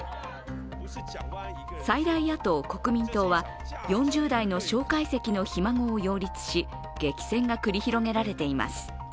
最大野党・国民党は４０代の蒋介石のひ孫を擁立し激戦が繰り広げられています。